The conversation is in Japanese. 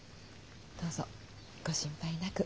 どうぞご心配なく。